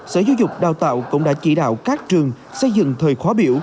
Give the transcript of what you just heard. sở giáo dục đào tạo cũng đã chỉ đạo các trường xây dựng thời khóa biểu